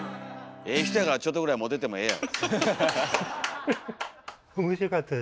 ええ人やからちょっとぐらいモテてもええやん。